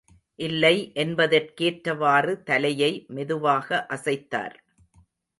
இல்லை என்பதற்கேற்றவாறு தலையை மெதுவாக அசைத்தார்.